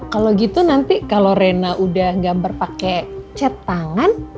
kalau gitu nanti kalau rena udah gambar pakai cat tangan